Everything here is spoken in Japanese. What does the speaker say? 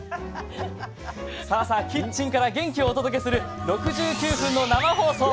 さあ、さあ、キッチンから元気をお届けする６９分の生放送。